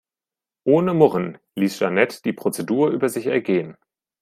Ohne Murren ließ Jeanette die Prozedur über sich ergehen.